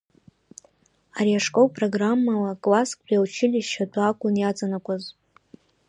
Ари ашкол программала классктәи аучилишьче атәы акәын иаҵанакәаз.